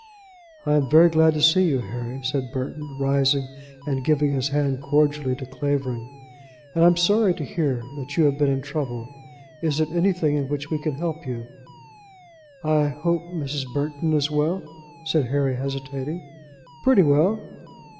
"I am very glad to see you, Harry," said Burton, rising and giving his hand cordially to Clavering. "And I am sorry to hear that you have been in trouble. Is it anything in which we can help you?" "I hope, Mrs. Burton is well," said Harry, hesitating. "Pretty well."